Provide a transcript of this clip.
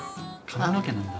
髪の毛なんだ。